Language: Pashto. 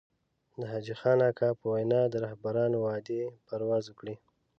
د حاجي خان اکا په وينا د رهبرانو وعدې پرواز وکړي.